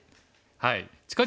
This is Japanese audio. はい。